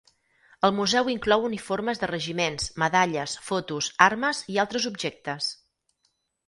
El museu inclou uniformes de regiments, medalles, fotos, armes i altres objectes.